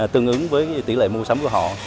tương ứng với tỷ lệ mua sắm của họ